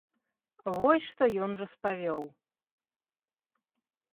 Вось што ён распавёў.